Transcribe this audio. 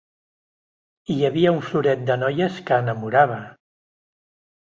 Hi havia un floret de noies que enamorava!